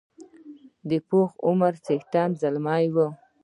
د پاخه عمر څښتن زلمی وو.